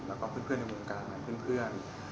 และเพื่อนในวงการเพื่อน